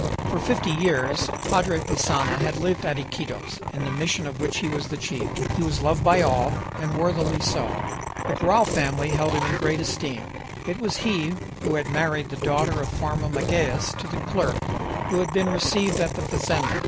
For fifty years Padre Passanha had lived at Iquitos, in the mission of which he was the chief. He was loved by all, and worthily so. The Garral family held him in great esteem; it was he who had married the daughter of Farmer Magalhaës to the clerk who had been received at the fazenda.